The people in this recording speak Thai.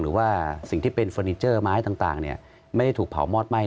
หรือว่าสิ่งที่เป็นเฟอร์นิเจอร์ไม้ต่างไม่ได้ถูกเผามอดไหม้